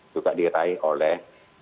juga diraih oleh